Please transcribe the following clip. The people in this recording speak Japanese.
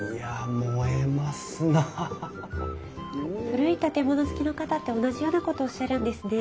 古い建物好きの方って同じようなことおっしゃるんですね。